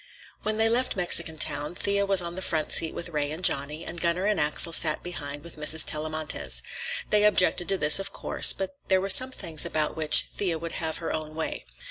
When they left Mexican Town, Thea was on the front seat with Ray and Johnny, and Gunner and Axel sat behind with Mrs. Tellamantez. They objected to this, of course, but there were some things about which Thea would have her own way.